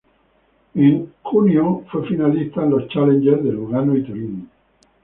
En junio fue finalista en los Challenger de Lugano y Turín.